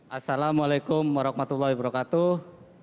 assalamu'alaikum warahmatullahi wabarakatuh